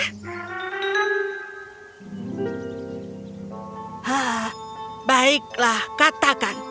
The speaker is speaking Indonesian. haa baiklah katakan